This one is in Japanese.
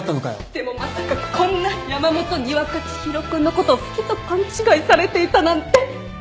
でもまさかこんな山本にわか知博君のことを好きと勘違いされていたなんて。